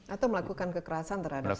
atau melakukan kekerasan terhadap